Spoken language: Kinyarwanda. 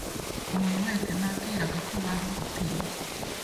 umuntu wese nabwiraga ko baruduteye